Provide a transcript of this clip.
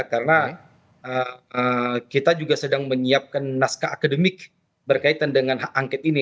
karena kita juga sedang menyiapkan naskah akademik berkaitan dengan hak angket ini